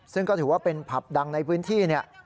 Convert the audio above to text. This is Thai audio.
ซึ่งก็ถือว่าเป็นผับดังในพื้นที่เนี่ย